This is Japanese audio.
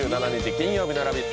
金曜日の「ラヴィット！」。